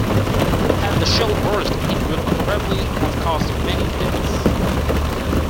Had the shell burst it would probably have caused many deaths.